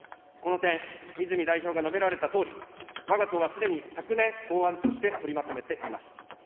この点、泉代表が述べられたとおり、わが党はすでに、昨年、法案として取りまとめています。